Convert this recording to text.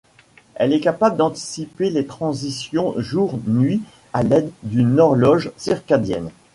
Elle est capable d'anticiper les transitions jour-nuit à l'aide d'une horloge circadienne.